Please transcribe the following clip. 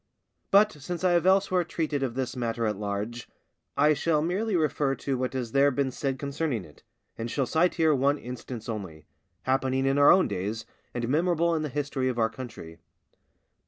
But since I have elsewhere treated of this matter at large, I shall merely refer to what has there been said concerning it, and shall cite here one instance only, happening in our own days, and memorable in the history of our country.